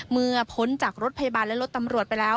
พ้นจากรถพยาบาลและรถตำรวจไปแล้ว